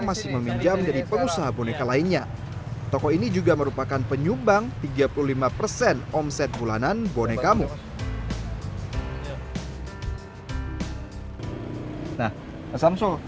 nah untuk yang pesanan untuk diluar kota